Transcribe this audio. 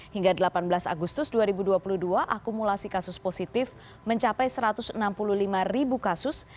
hingga delapan belas agustus dua ribu dua puluh dua akumulasi kasus positif mencapai satu ratus enam puluh lima ribu kasus